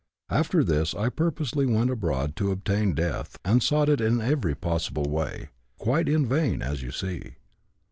After this I purposely went abroad to obtain death and sought it in every possible way. Quite in vain, as you see.